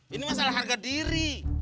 ini masalah harga diri